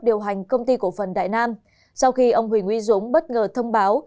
điều hành công ty cổ phần đại nam sau khi ông huy nguy dũng bất ngờ thông báo